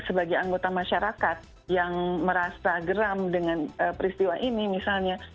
sebagai anggota masyarakat yang merasa geram dengan peristiwa ini misalnya